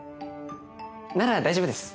なら大丈夫です。